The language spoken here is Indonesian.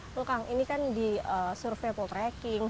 kalo kang ini kan di survei poll tracking